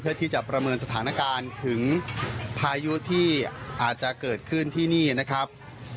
เพื่อที่จะประเมินสถานการณ์ถึงพายุที่อาจจะเกิดขึ้นที่นี่นะครับ